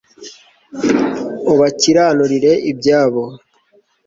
ubakiranurire ibyabo